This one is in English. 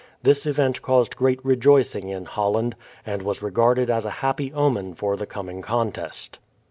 This event caused great rejoicing in Holland, and was regarded as a happy omen for the coming contest.